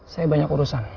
saya banyak urusan